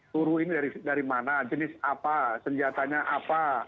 turu ini dari mana jenis apa senjatanya apa